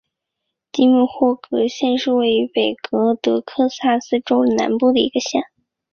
吉姆霍格县是位于美国德克萨斯州南部的一个县。